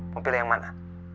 mau pilih yang mana